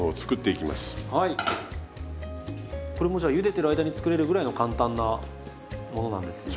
これもじゃあゆでてる間に作れるぐらいの簡単なものなんですね？